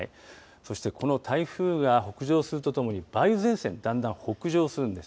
そしてこの台風が北上するとともに、梅雨前線、だんだん北上するんです。